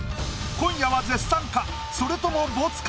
今夜は絶賛か？